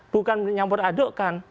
bukan menyambur aduk kan